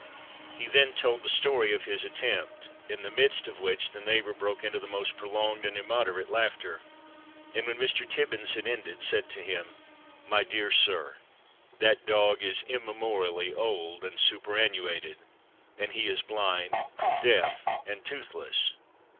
He then told the story of his attempt, in the midst of which the neighbor broke into the most prolonged and immoderate laughter, and when Mr. Tibbins had ended, said to him, "My dear sir, that dog is immemorially old and superannuated, and he is blind, deaf, and toothless."